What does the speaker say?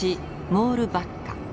モールバッカ。